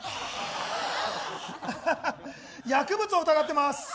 薬物を疑ってます！